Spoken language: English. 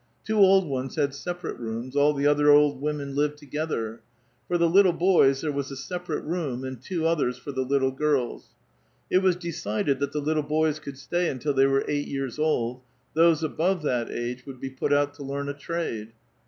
Two old ones had separate rooms ; all the other old women lived together. For the little boys there was a separate room, and two others for the little girls. It was decided that the little boys could stay until they were eight years old ; those above that age would be put out to learn a trade.